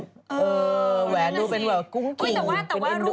เออแหวนดูเป็นแบบกุ้งกิ่ง